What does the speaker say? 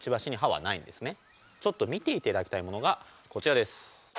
ちょっと見ていただきたいものがこちらです。